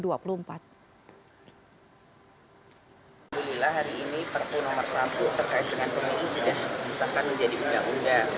alhamdulillah hari ini perpu nomor satu terkait dengan pemilu sudah disahkan menjadi undang undang